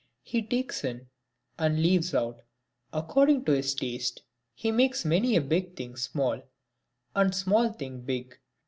He takes in and leaves out according to his taste. He makes many a big thing small and small thing big.